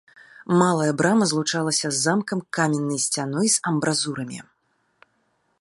Малая брама злучалася з замкам каменнай сцяной з амбразурамі.